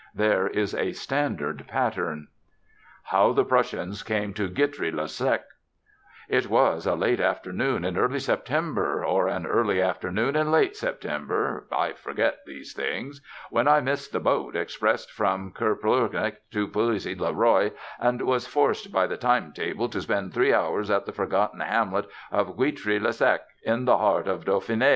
There is a standard pattern. HOW THE PRUSSIANS CAME TO GUITRY LE SEC It was a late afternoon in early September, or an early afternoon in late September I forget these things when I missed the boat express from Kerplouarnec to Pouzy le roi and was forced by the time table to spend three hours at the forgotten hamlet of Guitry le sec, in the heart of Dauphiné.